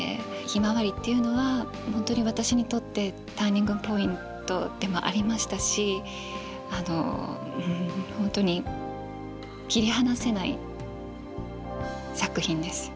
「ひまわり」っていうのは本当に私にとってターニングポイントでもありましたし本当に切り離せない作品です。